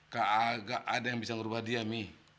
kakak gak ada yang bisa ngerubah dia mi